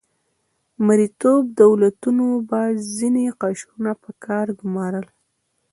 مرئیتوب دولتونو به ځینې قشرونه په کار ګمارل.